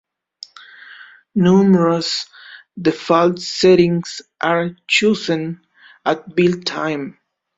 Numerous default settings are chosen at build time.